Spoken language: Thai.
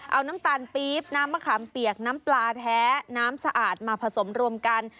เอาน้ำตาลปี๊บน้ำมะขามเปียกน้ำปลาแท้น้ำสะอาดมาผสมรวมกัน